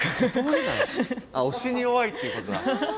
あっ押しに弱いっていうことだ。